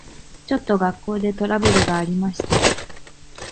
ちょっと学校でトラブルがありまして。